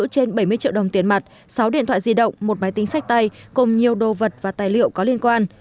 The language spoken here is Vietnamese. trên bảy mươi triệu đồng tiền mặt sáu điện thoại di động một máy tính sách tay cùng nhiều đồ vật và tài liệu có liên quan